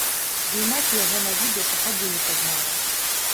Ды і маці яго на відэа па хадзе не пазнала.